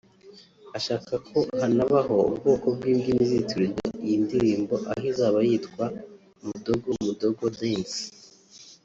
ashaka ko hanabaho ubwoko bw’ imbyino izitirirwa iyi ndirimbo aho izaba yitwa Mdogo Mdogo Dance